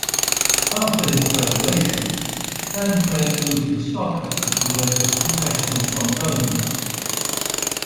After his graduation, Landgren moved to Stockholm to work as a professional trombone player.